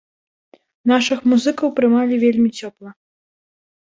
Нашых музыкаў прымалі вельмі цёпла.